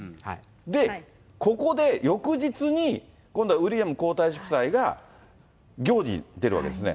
で、ここで翌日に、今度はウィリアム皇太子夫妻が行事に出るわけですね。